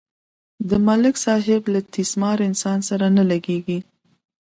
د ملک صاحب له تیس مار انسان سره نه لگېږي.